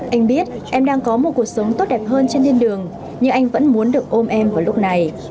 anh biết em đang có một cuộc sống tốt đẹp hơn trên điên đường nhưng anh vẫn muốn được ôm em vào lúc này